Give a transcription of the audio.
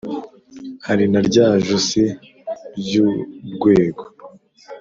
hari na rya josi ry' urwego